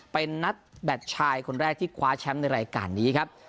เป็นนัดแบตชายคนแรกที่คว้าแชมป์ในรายการนี้ครับ